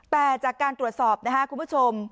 แต่จากการตรวจสอบนะครับคุณผู้ชม